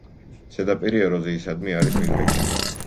ზედაპირი ეროზიისადმი არის მიდრეკილი.